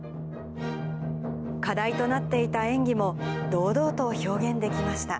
課題となっていた演技も、堂々と表現できました。